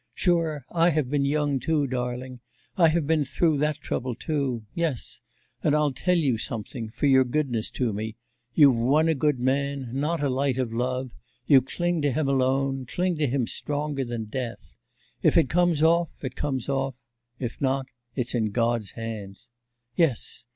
Sure, I have been young too, darling. I have been through that trouble too. Yes. And I'll tell you something, for your goodness to me; you've won a good man, not a light of love, you cling to him alone; cling to him stronger than death. If it comes off, it comes off, if not, it's in God's hands. Yes.